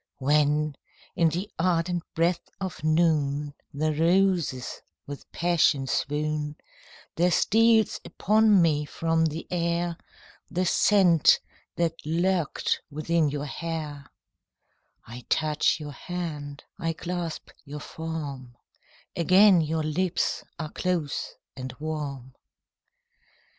When, in the ardent breath of noon, The roses with passion swoon; There steals upon me from the air The scent that lurked within your hair; I touch your hand, I clasp your form Again your lips are close and warm.